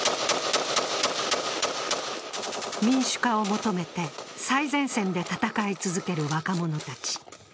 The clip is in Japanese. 民主化を求めて最前線で戦い続ける若者たち。